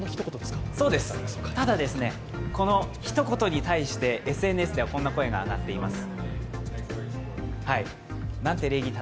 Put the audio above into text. ただ、この一言に対して、ＳＮＳではこんな声が上がっています。